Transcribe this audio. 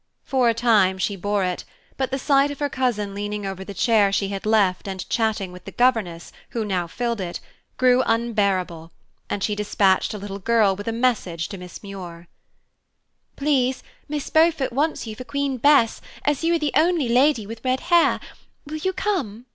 For a time she bore it; but the sight of her cousin leaning over the chair she had left and chatting with the governess, who now filled it, grew unbearable, and she dispatched a little girl with a message to Miss Muir. "Please, Miss Beaufort wants you for Queen Bess, as you are the only lady with red hair. Will you come?"